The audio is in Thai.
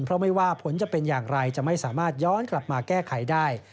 เพราะไม่ว่าผลจะเป็นอย่างไรจะไม่สามารถย้อนกลับมาแก้ไขได้